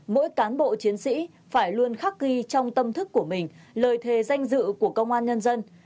mỗi cán bộ chiến sĩ phải luôn khắc ghi trong tâm thức của mình lời thề danh dự của công an nhân dân